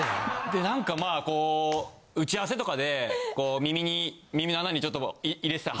でなんかまあこう打ち合わせとかでこう耳の穴に入れてた。